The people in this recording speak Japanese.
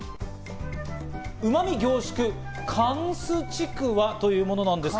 うまみ凝縮・巻子ちくわというものなんです。